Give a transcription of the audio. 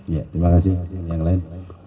ya terima kasih yang lain